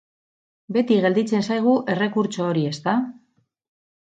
Beti gelditzen zaigu errekurtso hori, ezta?